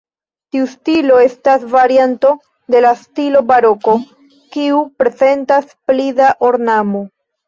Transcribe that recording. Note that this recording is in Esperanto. Tiu stilo estas varianto de la stilo baroko, kiu prezentas pli da ornamo.